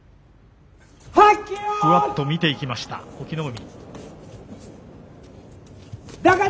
ふわっと見ていきました、隠岐の海。